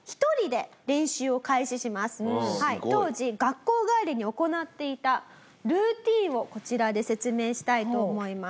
当時学校帰りに行っていたルーティンをこちらで説明したいと思います。